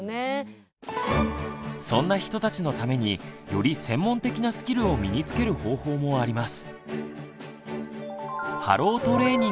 そんな人たちのためにより専門的なスキルを身につける方法もあります。